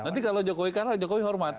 nanti kalau jokowi kalah jokowi hormat